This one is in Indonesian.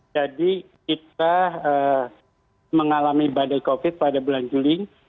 jadi kita mengalami badai covid pada bulan juli